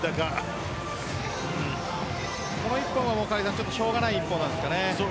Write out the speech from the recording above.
この１本はしょうがない１本です。